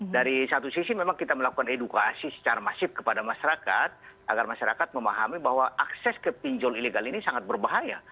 dari satu sisi memang kita melakukan edukasi secara masif kepada masyarakat agar masyarakat memahami bahwa akses ke pinjol ilegal ini sangat berbahaya